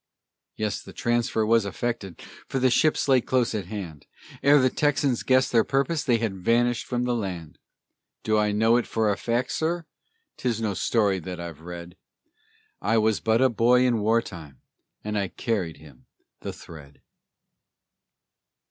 Yes, the transfer was effected, for the ships lay close at hand, Ere the Texans guessed their purpose, they had vanished from the land. Do I know it for a fact, sir? 'Tis no story that I've read I was but a boy in war time, and I carried him the thread.